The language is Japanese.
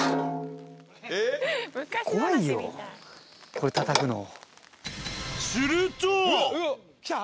これたたくの。来た？